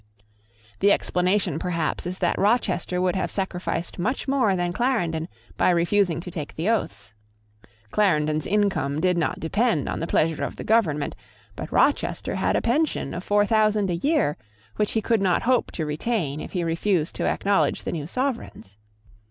The explanation perhaps is that Rochester would have sacrificed much more than Clarendon by refusing to take the oaths. Clarendon's income did not depend on the pleasure of the Government but Rochester had a pension of four thousand a year, which he could not hope to retain if he refused to acknowledge the new Sovereigns.